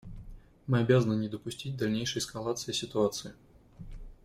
Мы обязаны не допустить дальнейшей эскалации ситуации.